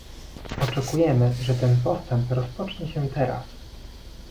Oczekujemy, że ten postęp rozpocznie się teraz